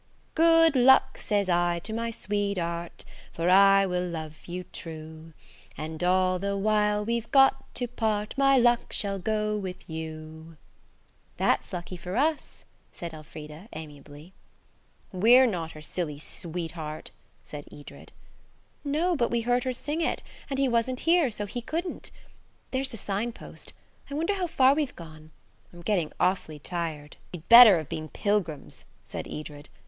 "Good luck!" says I to my sweetheart, "For I will love you true; And all the while we've got to part, My luck shall go with you." "That's lucky for us," said Elfrida amiably. "THEY WENT SLOWLY UP THE RED BRICK PAVED SIDEWALK." "We're not her silly sweetheart," said Edred. "No; but we heard her sing it, and he wasn't here, so he couldn't. There's a sign post. I wonder how far we've gone? I'm getting awfully tired." "You'd better have been pilgrims," said Edred.